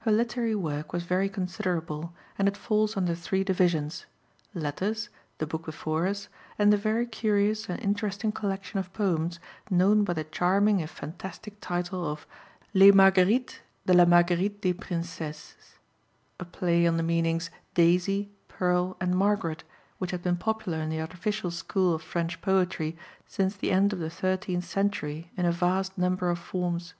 Her literary work was very considerable, and it falls under three divisions: letters, the book before us, and the very curious and interesting collection of poems known by the charming if fantastic title of Les Marguerites de la Marguerite des Princesses, a play on the meanings, daisy, pearl, and Margaret, which had been popular in the artificial school of French poetry since the end of the thirteenth century in a vast number of forms.